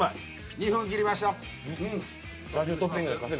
２分切りました。